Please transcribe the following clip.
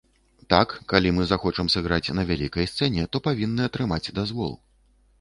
Так, калі мы захочам сыграць на вялікай сцэне, то павінны атрымаць дазвол.